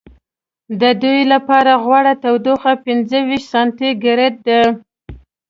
د دوی لپاره غوره تودوخه پنځه ویشت سانتي ګرېد ده.